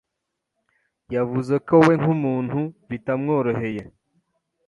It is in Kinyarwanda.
Yavuze ko we nk’umuntu bitamworoheye